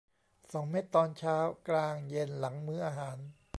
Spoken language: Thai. สองเม็ดตอนเช้า กลาง เย็น หลังมื้ออาหาร